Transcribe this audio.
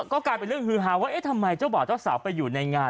ก็กลายเป็นเรื่องฮือฮาว่าเอ๊ะทำไมเจ้าบ่าวเจ้าสาวไปอยู่ในงาน